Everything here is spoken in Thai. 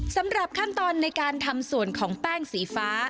สำหรับขั้นตอนในการทำส่วนของแป้งสีฟ้า